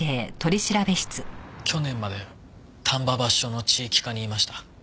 去年まで丹波橋署の地域課にいました。